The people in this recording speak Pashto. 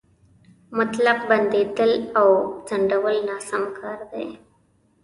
مطلق بندېدل او ځنډول ناسم کار دی.